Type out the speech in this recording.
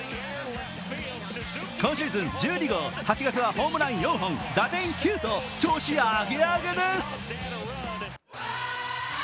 今シーズン１２号、８月はホームラン４本、打点９と、調子アゲアゲです！